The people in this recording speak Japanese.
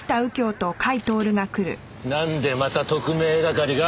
なんでまた特命係が？